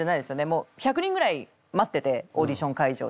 もう１００人ぐらい待っててオーディション会場で。